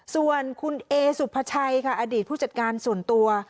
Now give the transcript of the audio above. ส่วนคุณเอสุภาชัยค่ะอดีตผู้จัดการส่วนตัว